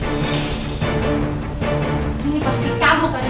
jadi bukan kamu